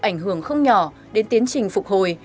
ảnh hưởng không nhỏ đến tiến trình phục hồi